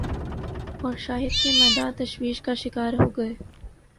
اور شاہد کے مداح تشویش کا شکار ہوگئے۔